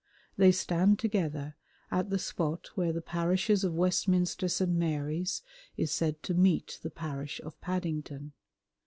They stand together at the spot where the parishes of Westminster St. Mary's is said to meet the parish of Paddington.